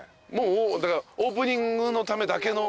だからオープニングのためだけの。